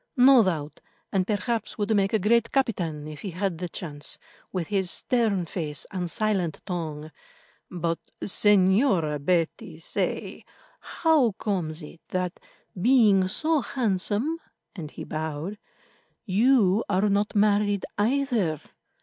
"No doubt, and perhaps would make a great captain, if he had the chance, with his stern face and silent tongue. But, Señora Betty, say, how comes it that, being so handsome," and he bowed, "you are not married either?